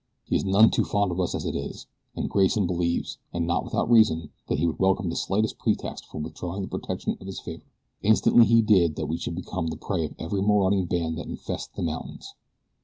He is none too fond of us as it is, and Grayson believes, and not without reason, that he would welcome the slightest pretext for withdrawing the protection of his favor. Instantly he did that we should become the prey of every marauding band that infests the mountains.